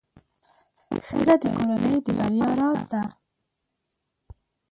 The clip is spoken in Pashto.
ښځه د کورنۍ د بریا راز ده.